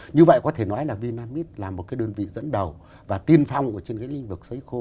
như vậy có thể nói là vinamit là một cái đơn vị dẫn đầu và tiên phong trên cái lĩnh vực xấy khô